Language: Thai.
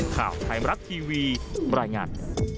ข่าวไทยมรัฐทีวีบรรยายงาน